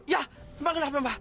ya mbak kenapa mbak